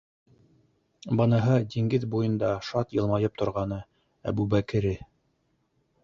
Быныһы, диңгеҙ буйында шат йылмайып торғаны, Әбүбәкере.